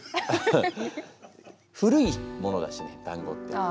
古いものだしねだんごって。